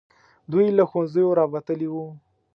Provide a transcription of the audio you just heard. دوی له ښوونځیو راوتلي وو.